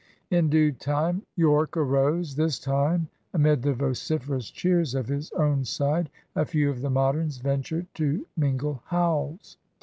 In due time Yorke arose. This time, amid the vociferous cheers of his own side, a few of the Moderns ventured to mingle howls.